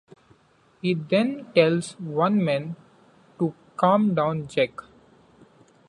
He then tells one man to Calm down Jack!